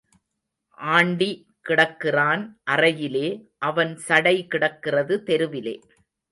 Aunty கிடக்கிறான் அறையிலே அவன் சடை கிடக்கிறது தெருவிலே.